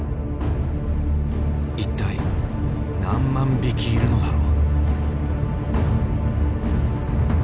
一体何万匹いるのだろう。